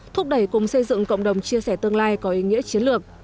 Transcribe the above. thúc đẩy cùng xây dựng cộng đồng chia sẻ tương lai có ý nghĩa chiến lược